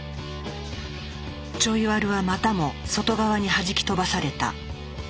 ちょいワルはまたも外側にはじき飛ばされた。